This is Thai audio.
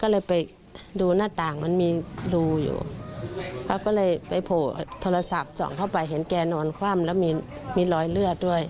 ก็เลยไปดูหน้าต่างมันมีรูอยู่เขาก็เลยไปโผล่โทรศัพท์ส่องเข้าไปเห็นแกนอนคว่ำแล้วมีรอยเลือดด้วย